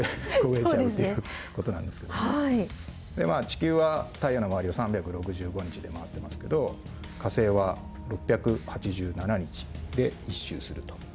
地球は太陽の周りを３６５日で回ってますけど火星は６８７日で１周するという事です。